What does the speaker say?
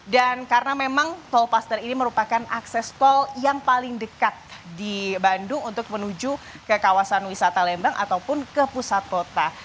dan karena memang tolpaster ini merupakan akses tol yang paling dekat di bandung untuk menuju ke kawasan wisata lembang ataupun ke pusat kota